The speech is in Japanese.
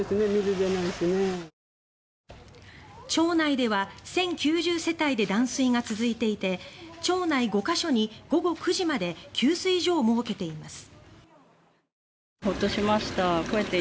町内では１０９０世帯で断水が続いていて町内５か所に午後９時まで給水所を設けています。